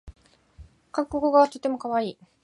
韓国語はとてもかわいい